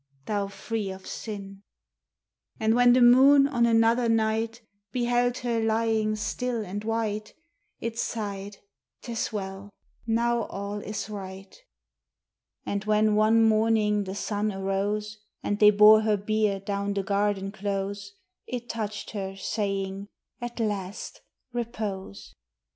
thou free of sin!" And when the moon, on another night, Beheld her lying still and white, It sighed, "'Tis well! now all is right." And when one morning the sun arose, And they bore her bier down the garden close, It touched her, saying, "At last, repose."